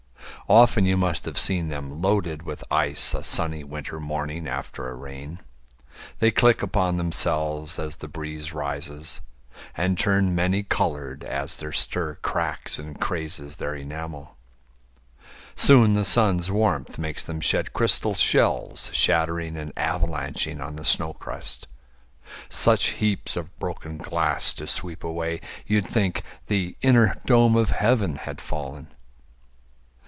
Often you must have seen them Loaded with ice a sunny winter morning After a rain. They click upon themselves As the breeze rises, and turn many colored As the stir cracks and crazes their enamel. Soon the sun's warmth makes them shed crystal shells Shattering and avalanching on the snow crust Such heaps of broken glass to sweep away You'd think the inner dome of heaven had fallen.